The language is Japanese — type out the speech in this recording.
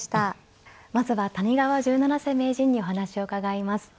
まずは谷川十七世名人にお話を伺います。